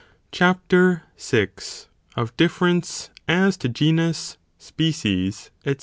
Cuap. VI.—Of Difference, as to Genus, Species, ete.